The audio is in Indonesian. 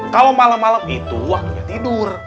kalau malem malem itu waktunya tidur